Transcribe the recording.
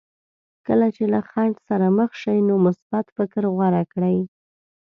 کله چې له خنډ سره مخ شئ نو مثبت فکر غوره کړئ.